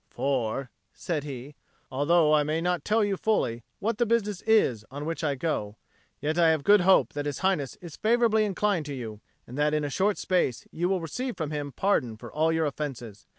"For," said he, "although I may not tell you fully what the business is on which I go, yet I have good hope that His Highness is favourably inclined to you, and that in a short space you will receive from him pardon for all your offences.